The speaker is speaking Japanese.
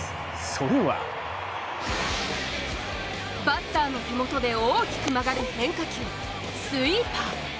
それはバッターの手元で大きく曲がる変化球スイーパー。